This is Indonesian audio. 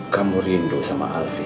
kamu rindu sama alfie